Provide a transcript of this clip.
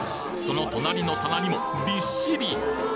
その隣の棚にもびっしり！